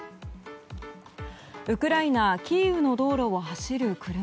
ウクライナ・キーウの道路を走る車。